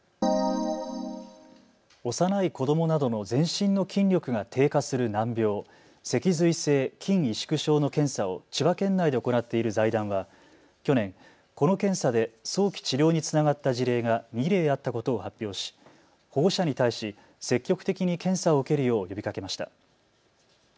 幼い子どもなどの全身の筋力が低下する難病、脊髄性筋萎縮症の検査を千葉県内で行っている財団は去年、この検査で早期治療につながった事例が２例あったことを発表し保護者に対し積極的に検査を受けるよう呼びかけました。